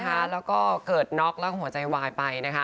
ก็เอาแล้วก็เกิดน็อกแล้วหัวใจวายไป